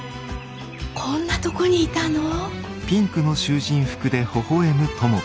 こんなとこにいたの？